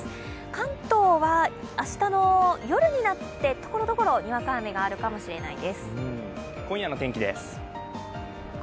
関東は明日の夜になってところどころにわか雨があるかもしれません。